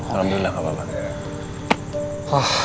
alhamdulillah tidak apa apa